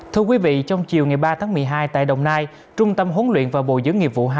thưa quý vị trong chiều ngày ba tháng một mươi hai tại đồng nai trung tâm huấn luyện và bồi dưỡng nghiệp vụ hai